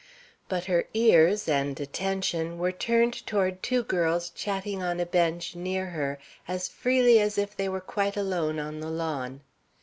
But her ears, and attention, were turned toward two girls chatting on a bench near her as freely as if they were quite alone on the lawn.